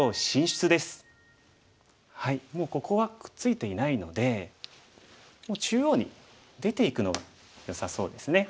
もうここはくっついていないので中央に出ていくのがよさそうですね。